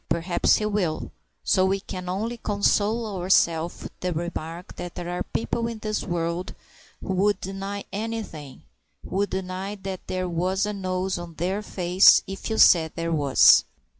Perhaps he will, so we can only console ourself with the remark that there are people in this world who would deny anything who would deny that there was a nose on their face if you said there was!